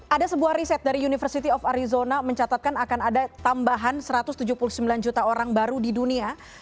ada sebuah riset dari university of arizona mencatatkan akan ada tambahan satu ratus tujuh puluh sembilan juta orang baru di dunia